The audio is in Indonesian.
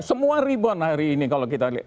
semua rebound hari ini kalau kita lihat